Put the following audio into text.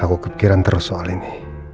aku kepikiran terus soal ini